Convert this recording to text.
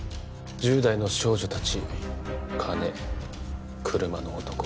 １０代の少女達金車の男